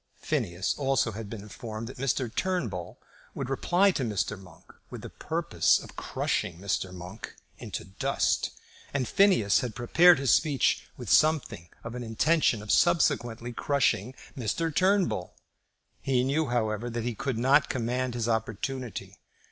Phineas also had been informed that Mr. Turnbull would reply to Mr. Monk, with the purpose of crushing Mr. Monk into dust, and Phineas had prepared his speech with something of an intention of subsequently crushing Mr. Turnbull. He knew, however, that he could not command his opportunity.